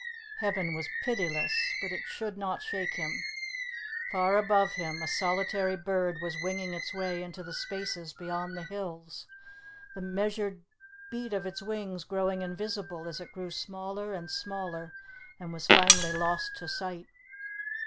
Heaven was pitiless, but it should not shake him. Far above him a solitary bird was winging its way into the spaces beyond the hills; the measured beat of its wings growing invisible as it grew smaller and smaller and was finally lost to sight.